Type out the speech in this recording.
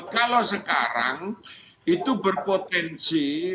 kalau sekarang itu berpotensi untuk ditumpukan